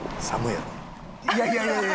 いやいやいやいや！